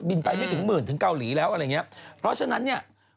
ไปไม่ถึงหมื่นถึงเกาหลีแล้วอะไรอย่างเงี้ยเพราะฉะนั้นเนี่ย